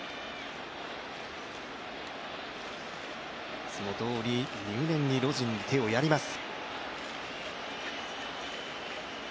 いつもどおり入念にロジンに手をやります。